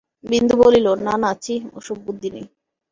বিন্দু বলিল, না না ছি, ওসব বুদ্ধি নেই।